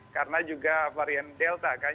karena juga varian delta kan